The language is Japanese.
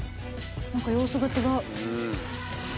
何か様子が違う。